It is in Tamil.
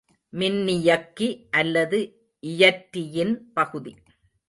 மின்னியக்கி அல்லது இயற்றியின் பகுதி.